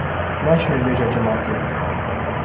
Naçine nimêja cemaetê